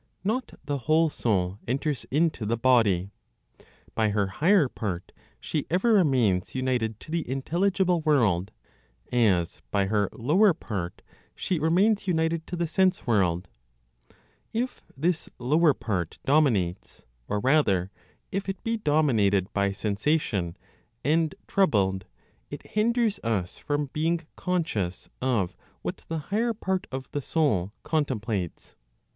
Not the whole soul enters into the body. By her higher part, she ever remains united to the intelligible world; as, by her lower part, she remains united to the sense world. If this lower part dominates, or rather, if it be dominated (by sensation) and troubled, it hinders us from being conscious of what the higher part of the soul contemplates.